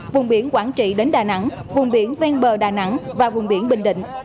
vùng biển quảng trị đến đà nẵng vùng biển ven bờ đà nẵng và vùng biển bình định